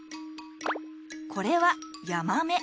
これはヤマメ。